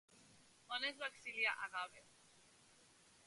On es va exiliar Agave?